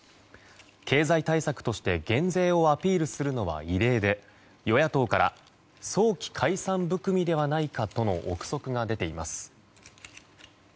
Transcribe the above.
経済対策として減税をアピールするのは異例で与野党から早期解散含みではないかとの憶測が出ています。